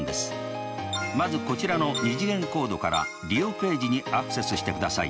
まずこちらの２次元コードから利用ページにアクセスしてください。